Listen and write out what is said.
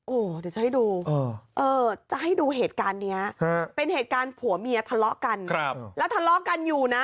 โอ้โหเดี๋ยวจะให้ดูจะให้ดูเหตุการณ์นี้เป็นเหตุการณ์ผัวเมียทะเลาะกันแล้วทะเลาะกันอยู่นะ